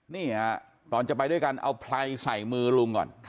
นี่ฮะตอนจะไปด้วยกันเอาไพรใส่มือลุงก่อน